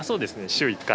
週１回？